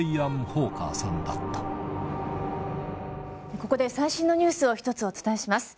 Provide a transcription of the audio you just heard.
ここで最新のニュースを１つお伝えします。